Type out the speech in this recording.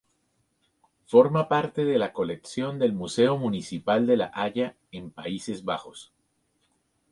Forma parte de la colección del Museo Municipal de La Haya, en Países Bajos.